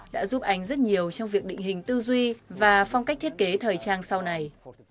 đã giúp anh rất nhiều trong việc định hình tư duy và phong cách thiết kế thời trang sau này